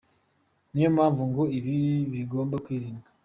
Niyo mpamvu ngo ibiza bigomba kwirindwa.